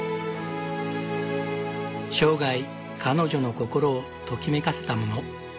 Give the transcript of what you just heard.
生涯彼女の心をときめかせたもの。